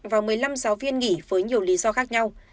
và một mươi năm giáo viên nghỉ với nhiều lý do khác nhau